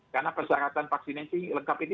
karena persyaratan vaksinasi lengkap ini